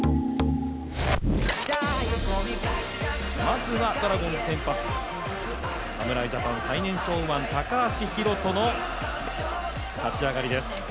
まずはドラゴンズ先発、侍ジャパンの最年少右腕・高橋宏斗の立ち上がりです。